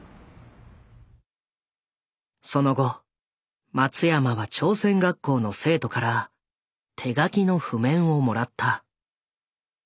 その後松山は朝鮮学校の生徒から手書きの譜面をもらった。